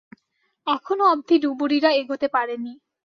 এখনো অব্ধি ডুবুরিরা এগোতে পারেনি।